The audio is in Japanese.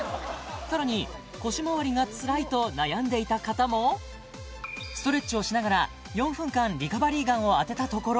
さらに腰まわりがつらいと悩んでいた方もストレッチをしながら４分間リカバリーガンを当てたところ